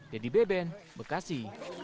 dedy beben bekasi